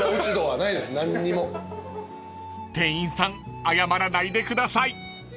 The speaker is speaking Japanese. ［店員さん謝らないでください］